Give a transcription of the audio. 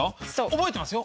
覚えてますよ！